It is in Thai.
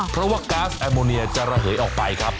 เพราะว่าก๊าซแอมโมเนียจะระเหยออกไปครับ